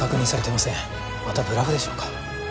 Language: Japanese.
またブラフでしょうか？